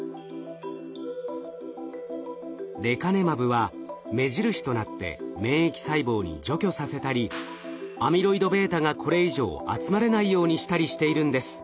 レカネマブは目印となって免疫細胞に除去させたりアミロイドβがこれ以上集まれないようにしたりしているんです。